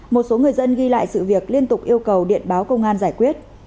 một số người dân ghi lại sự việc liên tục yêu cầu điện báo công an giải quyết